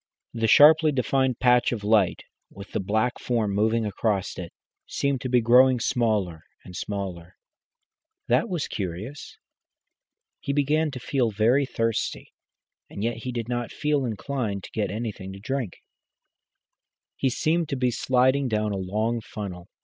The sharply defined patch of light, with the black form moving across it, seemed to be growing smaller and smaller. That was curious. He began to feel very thirsty, and yet he did not feel inclined to get anything to drink. He seemed to be sliding down a long funnel.